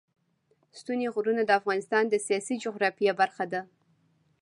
ستوني غرونه د افغانستان د سیاسي جغرافیه برخه ده.